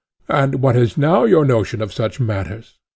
And what is now your notion of such matters?